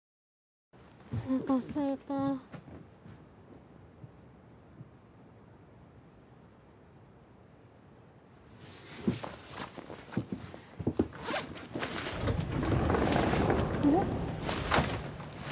・おなかすいたあれ？